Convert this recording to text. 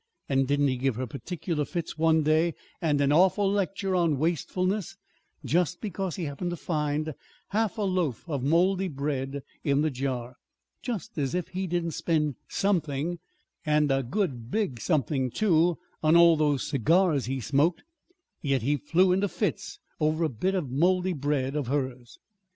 And didn't he give her particular fits one day and an awful lecture on wastefulness, just because he happened to find half a loaf of mouldy bread in the jar? Just as if he didn't spend something and a good big something, too! on all those cigars he smoked. Yet he flew into fits over a bit of mouldy bread of hers.